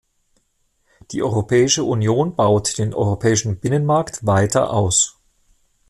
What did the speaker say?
Die Europäische Union baut den Europäischen Binnenmarkt weiter aus.